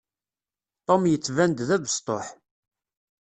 Tom yettban-d d abesṭuḥ.